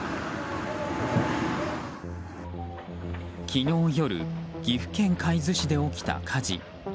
昨日夜岐阜県海津市で起きた火事。